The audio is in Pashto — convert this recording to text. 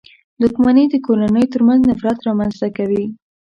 • دښمني د کورنيو تر منځ نفرت رامنځته کوي.